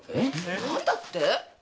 何だって？